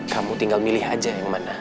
kamu tinggal milih aja yang mana